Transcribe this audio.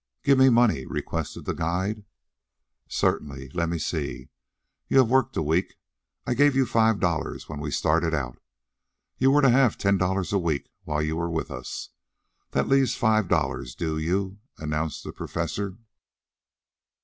"Give me money," requested the guide. "Certainly. Let me see, you have worked a week. I gave you five dollars when we started out. You were to have ten dollars a week while you were with us. That leaves five dollars due you," announced the Professor.